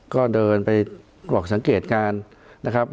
ก็เดินไปกรอกสังเกตการณ์นะครับ